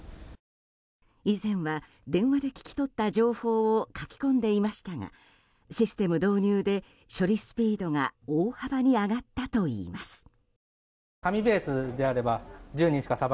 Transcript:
以前は電話で聞き取った情報を書き込んでいましたがシステム導入で処理スピードが大幅に上がったといいます。